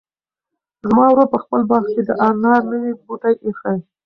زما ورور په خپل باغ کې د انار نوي بوټي ایښي.